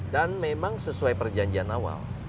dan memang sesuai perjanjian awal